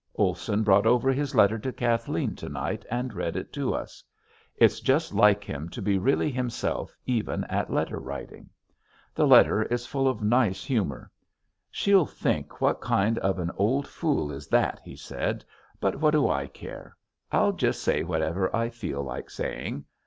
Olson brought over his letter to Kathleen to night and read it to us. It's just like him to be really himself even at letter writing. The letter is full of nice humor. "She'll think what kind of an old fool is that," he said, "but what do I care. I'll just say whatever I feel like saying."